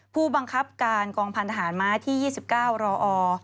ผู้บังคับการกองพันธหารม้าที่๒๙รอ